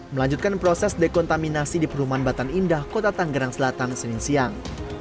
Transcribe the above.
melanjutkan proses dekontaminasi di perumahan batan indah kota tanggerang selatan senin siang